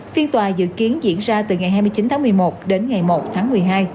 phiên tòa dự kiến diễn ra từ ngày hai mươi chín tháng một mươi một đến ngày một tháng một mươi hai